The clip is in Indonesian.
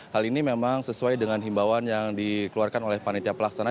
hal ini memang sesuai dengan himbauan yang dikeluarkan oleh panitia pelaksana